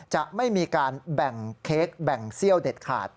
จะไม่มีการแบ่งเค้กแบ่งเซี่ยวเด็ดขาด